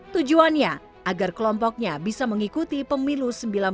tujuannya agar kelompoknya bisa mengikuti pemilu seribu sembilan ratus empat puluh